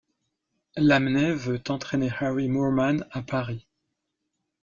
Lamennais veut entraîner Harry Moorman à Paris.